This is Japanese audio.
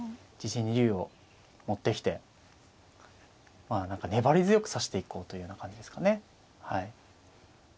自陣に竜を持ってきてまあ何か粘り強く指していこうというような感じですかねはい。